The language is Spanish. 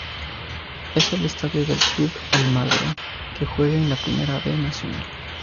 Es el estadio del Club Almagro, que juega en la Primera B Nacional.